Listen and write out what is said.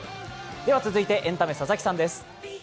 続いてエンタメ、佐々木さんです。